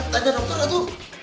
tengok dokter itu